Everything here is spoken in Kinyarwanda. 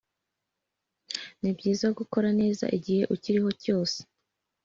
nibyiza gukora neza igihe ukiriho cyose